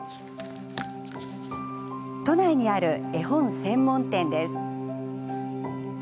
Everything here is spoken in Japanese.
都内にある絵本専門店です。